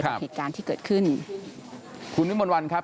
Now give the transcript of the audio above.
กับเหตุการณ์ที่เกิดขึ้นคุณวิมนต์วันครับ